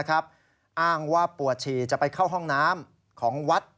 อ้างว่าปวดฉี่จะไปเข้าห้องน้ำของวัด